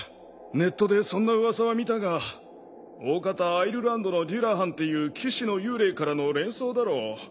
ネットでそんな噂は見たがおおかたアイルランドのデュラハンっていう騎士の幽霊からの連想だろ。